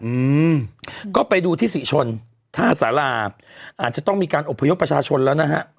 อืมก็ไปดูที่ศรีชนท่าสาราอาจจะต้องมีการอบพยพประชาชนแล้วนะฮะ